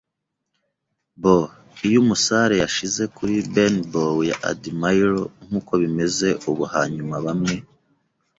bo. Iyo umusare yashize kuri Benbow ya Admiral (nkuko bimeze ubu hanyuma bamwe